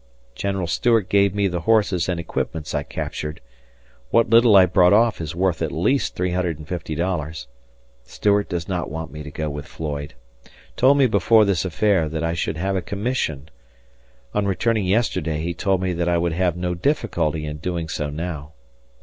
General Stuart gave me the horses and equipments I captured. What little I brought off is worth at least $350. Stuart does not want me to go with Floyd, told me before this affair that I should have a commission, on returning yesterday he told me that I would have no difficulty in doing so now.